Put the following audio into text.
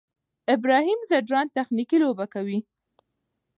ابراهیم ځدراڼ تخنیکي لوبه کوي.